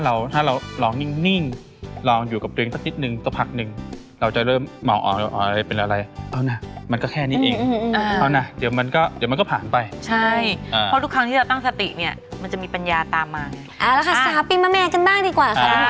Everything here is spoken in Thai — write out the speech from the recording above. เอาละค่ะสาวปริมแมนกันด้านดีกว่าขอบคุณหมอโชว์